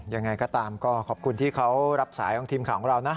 ยังไงก็ตามก็ขอบคุณที่เขารับสายของทีมข่าวของเรานะ